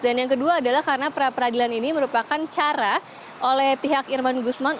dan yang kedua adalah karena pra peradilan ini merupakan cara oleh pihak irman gusman